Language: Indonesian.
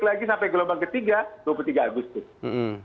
lagi sampai gelombang ketiga dua puluh tiga agustus